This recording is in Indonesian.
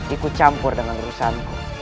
ikut campur dengan urusanku